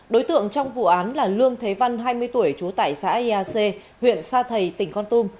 đối tượng trong vụ án là lương thế văn hai mươi tuổi chú tại xã iac huyện sa thầy tỉnh con tum